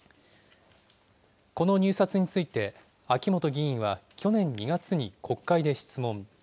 この入札について、秋本議員は去年２月に国会で質問。